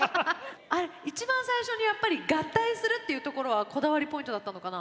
あれ一番最初にやっぱり合体するっていうところはこだわりポイントだったのかな。